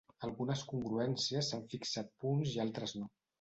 Algunes congruències s'han fixat punts i altres no.